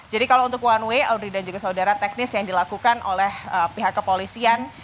jadi kalau untuk one way audrey dan juga saudara teknis yang dilakukan oleh pihak kepolisian